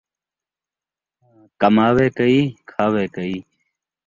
کماوے کئی ، کھاوے کئی